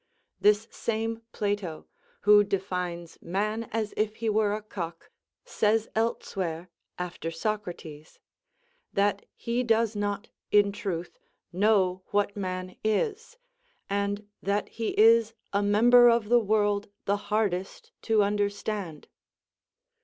This same Plato, who defines man as if he were a cock, says elsewhere, after Socrates, "That he does not, in truth, know what man is, and that he is a member of the world the hardest to understand."